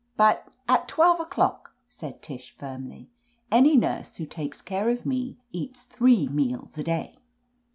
"But—" "At twelve o'clock," said Tish firmly. "Any nurse who takes care of me eats three meals a day."